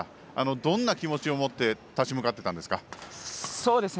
どんな気持ちを持って立ち向かっていたんですか？